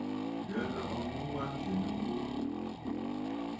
Ghɛ̀ɛ nlɔgə mu wa nzì nɨ ghu.